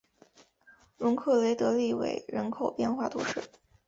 容克雷德利韦人口变化图示